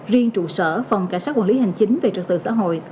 riêng trụ sở phòng cảnh sát quản lý hành chính về trật tự xã hội